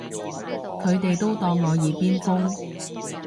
佢哋都當我耳邊風